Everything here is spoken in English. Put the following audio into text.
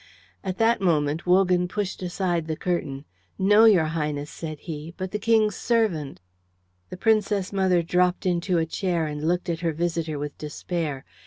At that moment Wogan pushed aside the curtain. "No, your Highness," said he, "but the King's servant." The Princess mother dropped into a chair and looked at her visitor with despair.